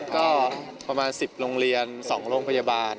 ก็ประมาณ๑๐โรงเรียน๒โรงพยาบาล